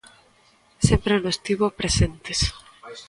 Sempre nos tivo presentes.